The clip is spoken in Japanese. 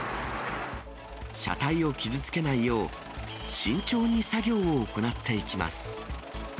車体を傷つけないよう、慎重に作業を行っていきます。